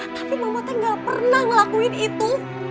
tapi mama teh ga pernah ngelakuin itu